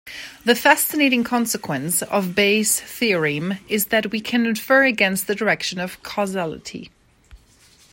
The fascinating consequence of Bayes' theorem is that we can infer against the direction of causality.